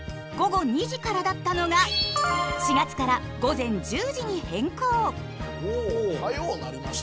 午後２時からだったのが４月から午前１０時に変更。